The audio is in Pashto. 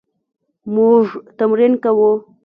موږ تمرین کوو